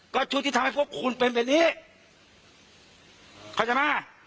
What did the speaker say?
ขออนุญาต